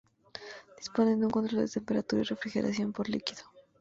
Disponen de un control de temperatura y refrigeración por líquido.